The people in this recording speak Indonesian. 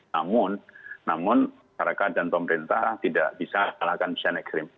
namun namun para kadang pemerintah tidak bisa mengalahkan hujan ekstrim